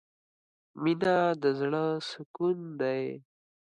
مینه د زړه سکون دی.